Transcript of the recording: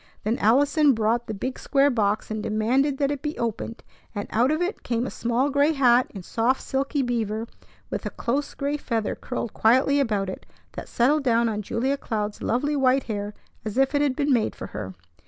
Then Allison brought the big square box, and demanded that it be opened; and out of it came a small gray hat in soft silky beaver, with a close gray feather curled quietly about it, that settled down on Julia Cloud's lovely white hair as if it had been made for her.